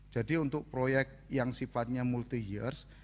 jadi untuk proyek yang sifatnya multi years